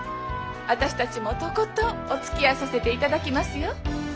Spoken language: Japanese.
私たちもとことんおつきあいさせていただきますよ。